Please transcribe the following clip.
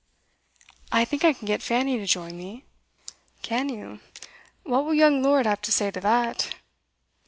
'I think I can get Fanny to join me.' 'Can you? What will young Lord have to say to that?